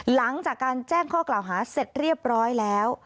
หลังจากการแจ้งข้อกล่าวหาเสร็จเรียบร้อยแล้ว